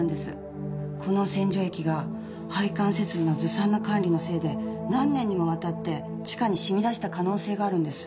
この洗浄液が配管設備のずさんな管理のせいで何年にもわたって地下に染み出した可能性があるんです。